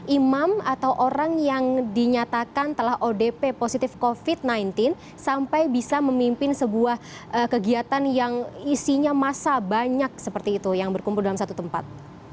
imam atau orang yang dinyatakan telah odp positif covid sembilan belas sampai bisa memimpin sebuah kegiatan yang isinya masa banyak seperti itu yang berkumpul dalam satu tempat